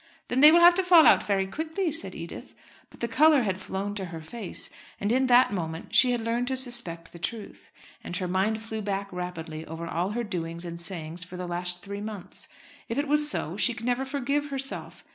"Then they will have to fall out very quickly," said Edith. But the colour had flown to her face, and in that moment she had learned to suspect the truth. And her mind flew back rapidly over all her doings and sayings for the last three months. If it was so, she could never forgive herself.